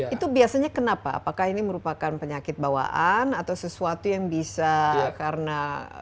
itu biasanya kenapa apakah ini merupakan penyakit bawaan atau sesuatu yang bisa karena